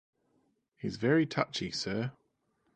He's very touchy, sir.